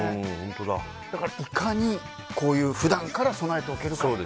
だから、いかに普段から備えておけるか。